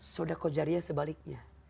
sudako jariah sebaliknya